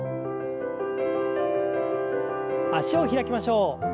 脚を開きましょう。